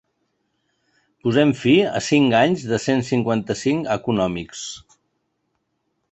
Posem fi a cinc anys de cent cinquanta-cinc econòmics.